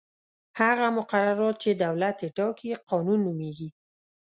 هغه مقررات چې دولت یې ټاکي قانون نومیږي.